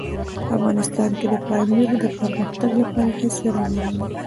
افغانستان کې د پامیر د پرمختګ لپاره هڅې روانې دي.